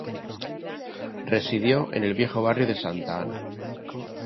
Residió en el viejo barrio de Santa Ana.